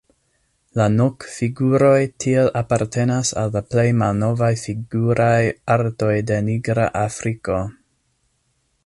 La Nok-figuroj tiel apartenas al la plej malnovaj figuraj artoj de Nigra Afriko.